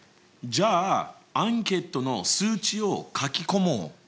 じゃあアンケートの数値を書き込もう！